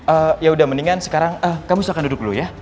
eee yaudah mendingan sekarang kamu silahkan duduk dulu ya